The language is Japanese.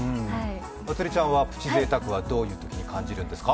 まつりちゃんはプチぜいたくはどういうときに感じるんですか？